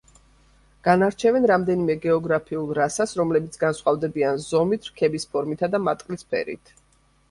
განარჩევენ რამდენიმე გეოგრაფიულ რასას, რომლებიც განსხვავდებიან ზომით, რქების ფორმითა და მატყლის ფერით.